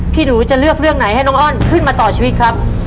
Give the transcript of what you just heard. หนูจะเลือกเรื่องไหนให้น้องอ้อนขึ้นมาต่อชีวิตครับ